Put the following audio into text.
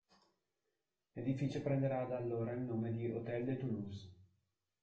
L'edificio prenderà da allora il nome di "Hôtel de Toulouse".